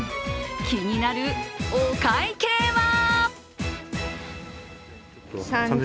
気になるお会計は？